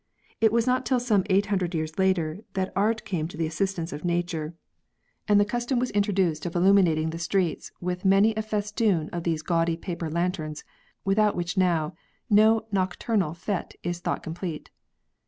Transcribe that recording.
It was not till some eight hundred years later that art came to the assist ance of nature, and the custom was introduced of illu THE FEAST OF LANTERNS. 109 minating the streets with many a festoon of those gaudy paper lanterns, without which now no nocturnal fete is thought complete.